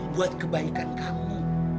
buat kebaikan kamu